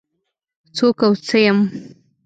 څوک او څه يم؟